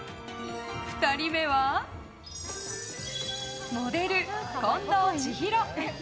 ２人目はモデル、近藤千尋。